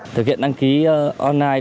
thực hiện đăng ký online